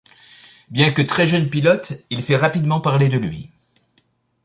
Bien que très jeune pilote, il fait rapidement parler de lui.